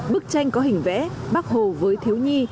bức tranh có hình vẽ bác hồ với thiếu nhi